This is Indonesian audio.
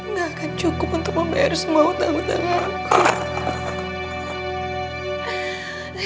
nggak akan cukup untuk membayar semua hutang hutang aku